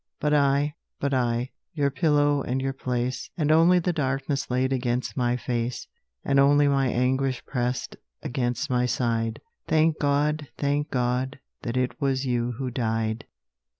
But I but I Your pillow and your place And only the darkness laid against my face, And only my anguish pressed against my side Thank God, thank God, that it was you who died!